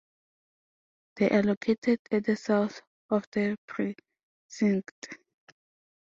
They are located at the south of the precinct.